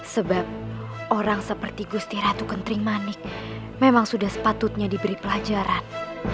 sebab orang seperti gusti ratu kenting manik memang sudah sepatutnya diberi pelajaran